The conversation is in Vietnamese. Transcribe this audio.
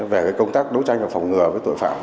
về công tác đấu tranh và phòng ngừa với tội phạm